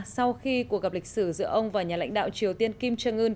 sau khi cuộc gặp lịch sử giữa ông và nhà lãnh đạo triều tiên kim jong un